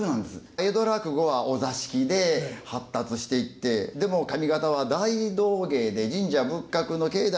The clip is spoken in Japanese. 江戸落語はお座敷で発達していってでも上方は大道芸で神社仏閣の境内で発達したようなものが。